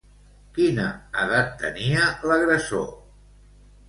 Quina edat tenia l'agressor?